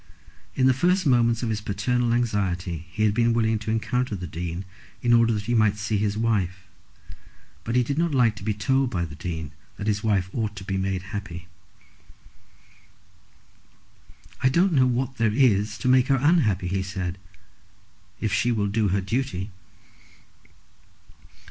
In the first moments of his paternal anxiety he had been willing to encounter the Dean in order that he might see his wife; but he did not like to be told by the Dean that his wife ought to be made happy. "I don't know what there is to make her unhappy," he said, "if she will do her duty."